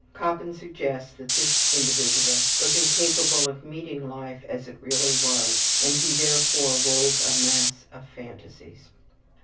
Koppen suggests that this individual was incapable of meeting life as it really was and he therefore wove a mass of phantasies.